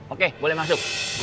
oke boleh masuk